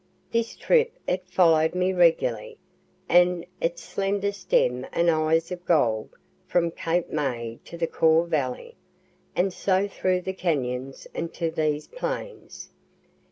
This trip it follow'd me regularly, with its slender stem and eyes of gold, from Cape May to the Kaw valley, and so through the cañons and to these plains.